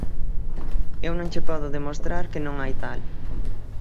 Eu non che podo demostrar que non hai tal.